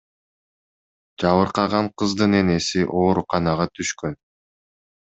Жабыркаган кыздын энеси ооруканага түшкөн.